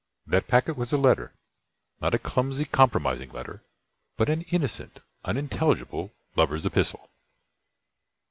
That packet was a letter not a clumsy compromising letter, but an innocent, unintelligible lover's epistle.